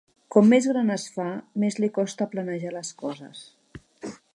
Com més gran es fa, més li costa planejar les coses.